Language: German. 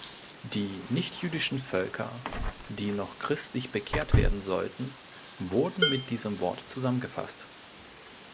Die nichtjüdischen Völker, die noch christlich bekehrt werden sollten, wurden mit diesem Wort zusammengefasst.